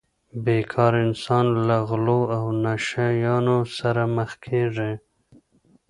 بې کاره انسان له غلو او نشه یانو سره مخ کیږي